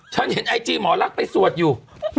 ฉันเห็นไอจีหมอลักษณ์ไปสวดอยู่